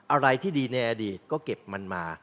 อะไรที่ดีในอดีตก็เก็บมันมา